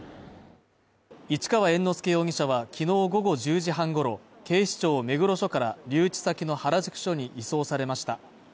市川猿之助容疑者はきのう午後１０時半ごろ、警視庁目黒署から、留置先の原宿署に移送されました。